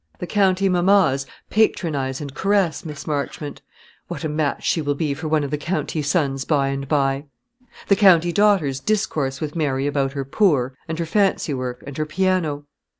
The county mammas patronise and caress Miss Marchmont what a match she will be for one of the county sons by and by! the county daughters discourse with Mary about her poor, and her fancy work, and her piano.